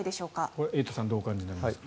これはエイトさんどうお感じになりますか？